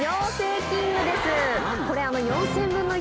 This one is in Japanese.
これ。